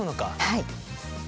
はい。